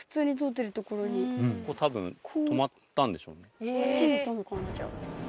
多分止まったんでしょうね。